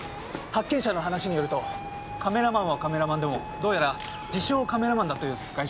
発見者の話によるとカメラマンはカメラマンでもどうやら自称カメラマンだったようです